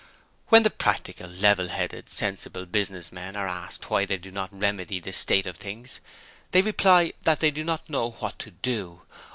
When the Practical, Level headed, Sensible Business men are asked why they do not remedy this state of things, they reply that they do not know what to do!